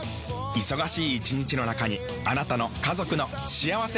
忙しい一日の中にあなたの家族の幸せな時間をつくります。